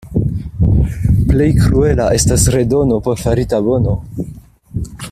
Plej kruela estas redono por farita bono.